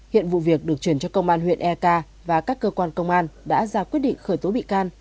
hiện vụ việc được truyền cho công an huyện eka và các cơ quan công an đã ra quyết định khởi tố bị can